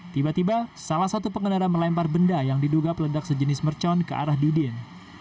tiba tiba salah satu pengendara melempar benda yang diduga peledak sejenis mercon ke arah dudin